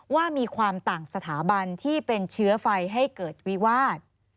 ว่ามีความต่างสถาบันที่เป็นเชื้อไฟให้เกิดวิวาส